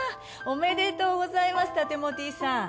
おめでとうございますタテモティさん。